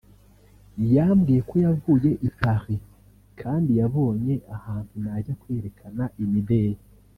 yambwiye ko yavuye i Paris kandi yabonye ahantu najya kwerekana imideli